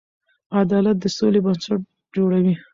عدالت د سولې بنسټ جوړوي.